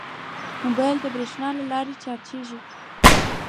موبایل د بریښنا له لارې چارجېږي.